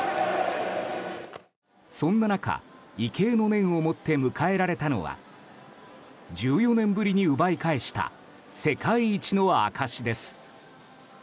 そんな中、畏敬の念を持って迎えられたのは１４年ぶりに奪い返した世界一の証しです。